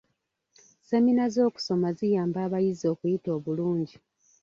Semina z'okusoma ziyamba abayizi okuyita obulungi.